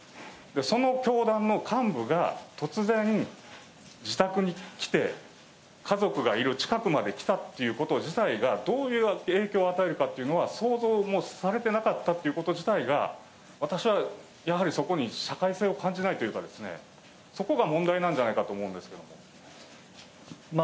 その教団の幹部が突然、自宅に来て、家族いる近くまで来たということ自体が、どういう影響を与えるかっていうか想像もされてなかったということ自体が、私はやはりそこに社会性を感じないというかですね、そこが問題なんじゃないかと思うんですけれども。